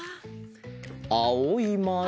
あおいまる。